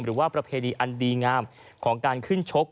หรือว่าประเพณีอันดีงามของการขึ้นชก